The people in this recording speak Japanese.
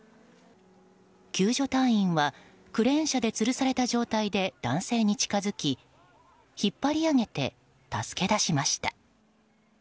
救助隊員は、クレーン車でつるされた状態で男性に近づき引っ張り上げて助け出しました。